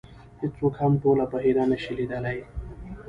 هېڅوک هم ټوله بحیره نه شي لیدلی .